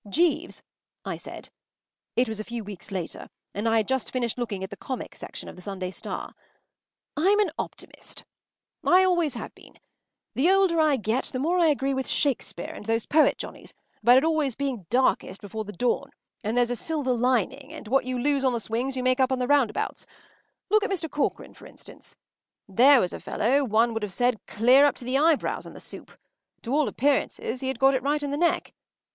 “Jeeves,” I said. It was a few weeks later, and I had just finished looking at the comic section of the Sunday Star. “I’m an optimist. I always have been. The older I get, the more I agree with Shakespeare and those poet Johnnies about it always being darkest before the dawn and there’s a silver lining and what you lose on the swings you make up on the roundabouts. Look at Mr. Corcoran, for instance. There was a fellow, one would have said, clear up to the eyebrows in the soup. To all appearances he had got it right in the neck.